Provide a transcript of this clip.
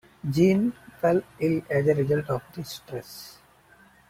Jean "fell ill" as a result of this stress.